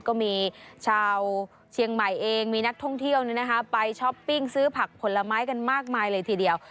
ก็มีชาวเชียงใหม่เองมีนักท่องเที่ยวไปช้อปปิ้งซื้อผักผลไม้กันมากมายเลยทีเดียว